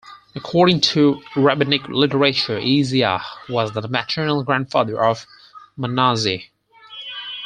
According to rabbinic literature, Isaiah was the maternal grandfather of Manasseh.